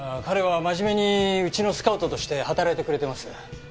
彼はまじめにうちのスカウトとして働いてくれてます。